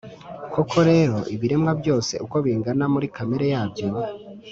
Koko rero, ibiremwa byose uko bingana muri kamere yabyo,